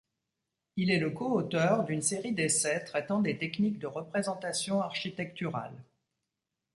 Il est le coauteur d’une série d’essais traitant des techniques de représentation architecturale.